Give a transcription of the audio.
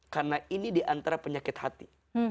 karena ini diantara penyakit hati